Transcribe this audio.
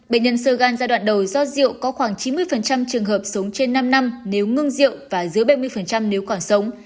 bệnh nhân sơ gan giai đoạn đầu do rượu có khoảng chín mươi trường hợp sống trên năm năm nếu ngưng rượu và dưới bảy mươi nếu còn sống